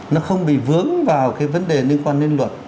nó không bị vướng vào cái vấn đề liên quan đến luật